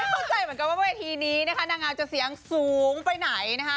เข้าใจเหมือนกันว่าเวทีนี้นะคะนางงามจะเสียงสูงไปไหนนะคะ